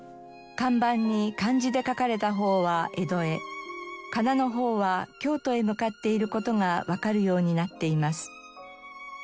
看板に漢字で書かれたほうは江戸へかなのほうは京都へ向かっている事がわかるようになっています。